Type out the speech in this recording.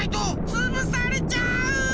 つぶされちゃう！